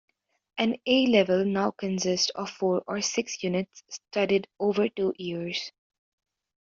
An A Level now consists of four or six units studied over two years.